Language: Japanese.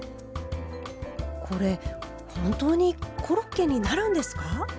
これ本当にコロッケになるんですか？